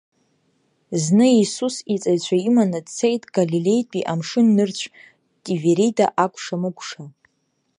Зны Иисус иҵаҩцәа иманы дцеит Галилеитәи амшын нырцә, Тиверида акәша-мыкәша.